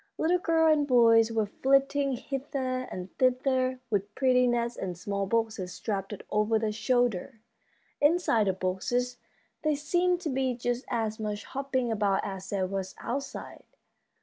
Little girls and boys were flitting hither and thither with pretty nets and small boxes strapped over their shoulders. Inside the boxes there seemed to be just as much hopping about as there was outside.